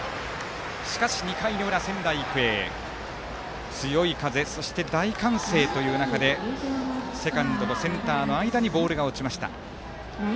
しかし２回の裏、仙台育英強い風、そして大歓声という中でセカンドとセンターの間にボールが落ちました。